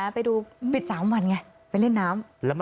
ไปดูปิด๓วันไงไปเล่นน้ำ